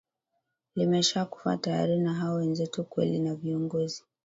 limesha kufa tayari na hao wenzetu kweli na viongozi